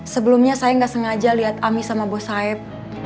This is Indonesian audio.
sebelumnya saya nggak sengaja lihat ami sama bos saib